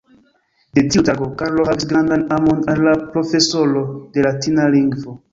De tiu tago, Karlo havis grandan amon al la profesoro de latina lingvo.